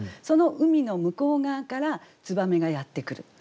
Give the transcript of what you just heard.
その海の向こう側から燕がやって来る。